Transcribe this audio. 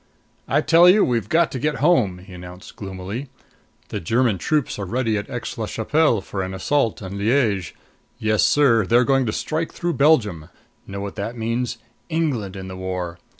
"I tell you, we've got to get home!" he announced gloomily. "The German troops are ready at Aix la Chapelle for an assault on Liege. Yes, sir they're going to strike through Belgium! Know what that means? England in the war!